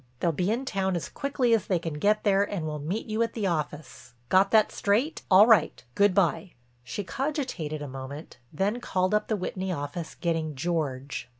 They'll be in town as quickly as they can get there and will meet you at the office. Got that straight? All right. Good by." She cogitated a moment, then called up the Whitney office getting George.